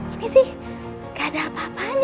ini sih gak ada apa apa aja